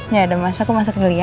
ya udah masa aku masuk dulu ya